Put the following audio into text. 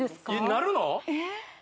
なるの？